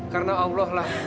karena allah lah